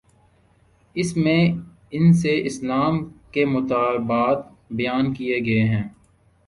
اس میں ان سے اسلام کے مطالبات بیان کیے گئے ہیں۔